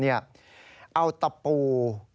เอาตะปู